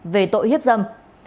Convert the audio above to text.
về tội hiếp dâm